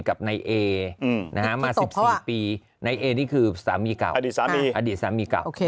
กับในเอกณฑิมาสิ้นปีในนี่คือสามีเก่าอดีตสามีเก่า